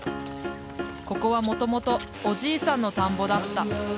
ここはもともとおじいさんの田んぼだった。